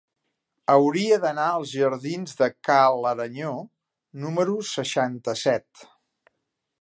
Hauria d'anar als jardins de Ca l'Aranyó número seixanta-set.